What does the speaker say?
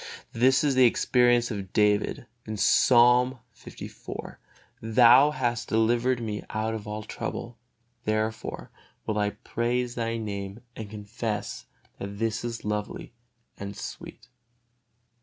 This is the experience of David, Psalm liv: "Thou hast delivered me out of all trouble, therefore will I praise Thy Name and confess that it is lovely and sweet."